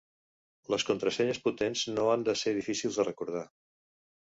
Les contrasenyes potents no han de ser difícils de recordar.